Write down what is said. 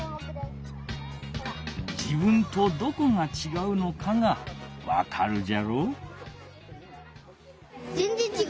自分とどこがちがうのかがわかるじゃろ。